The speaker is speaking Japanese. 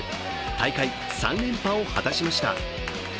大会３連覇を果たしました。